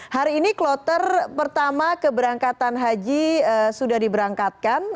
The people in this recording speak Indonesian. hari ini kloter pertama keberangkatan haji sudah diberangkatkan